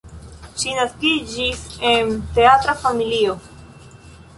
Ŝi naskiĝis en teatra familio.